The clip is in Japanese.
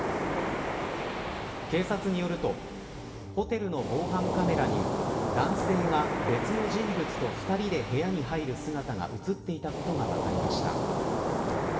警察によるとホテルの防犯カメラに男性が別の人物と２人で部屋に入る姿が映っていたことが分かりました。